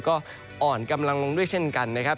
ก็อ่อนกำลังลงด้วยเช่นกันนะครับ